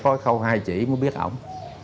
có cái khâu hai chỉ mới biết ổng